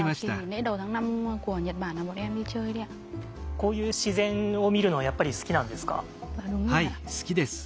こういう自然を見るのはやっぱり好きなんですか？